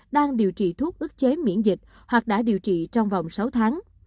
đang điều trị thuốc ức chế miễn dịch hoặc đã điều trị trong vòng sáu tháng